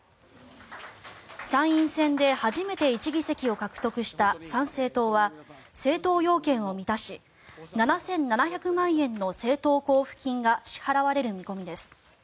参院選で初めて１議席を獲得した参政党は政党要件を満たし７７００万円の政党交付金が支払われる見込みです。